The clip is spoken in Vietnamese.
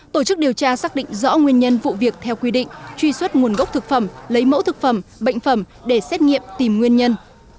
tổ chức điều tra xác định rõ nguyên nhân vụ việc theo quy định truy xuất nguồn gốc thực phẩm lấy mẫu thực phẩm bệnh phẩm để xét nghiệm tìm nguyên nhân